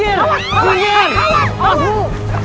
aduh bang aduh